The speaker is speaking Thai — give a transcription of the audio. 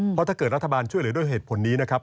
เพราะถ้าเกิดรัฐบาลช่วยเหลือด้วยเหตุผลนี้นะครับ